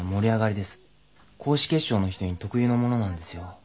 高脂血症の人に特有のものなんですよ。